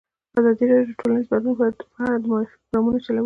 ازادي راډیو د ټولنیز بدلون په اړه د معارفې پروګرامونه چلولي.